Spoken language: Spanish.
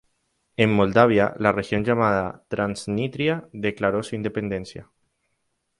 En Moldavia, la región llamada Transnistria declaró su independencia.